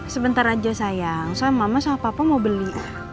sebentar aja sayang saya mama sama papa mau beli